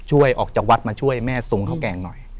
ช่วยออกจากวัดมาช่วยแม่ทรงข้าวแกล้งหน่อย